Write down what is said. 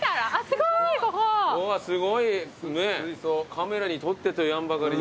カメラに撮ってと言わんばかりに。